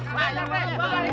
masih ada kecoh ini